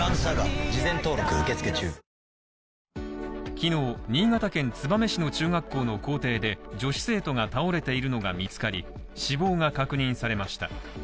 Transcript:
昨日、新潟県燕市の中学校の校庭で女子生徒が倒れているのが見つかり死亡が確認されました。